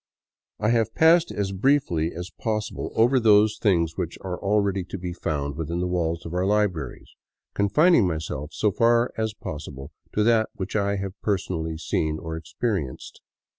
I have passed as briefly as possible over those ix A FOREWORD OF WARNING things which are already to be found within the walls of our libraries, confining myself so far as possible to that which I have personally seen or experienced.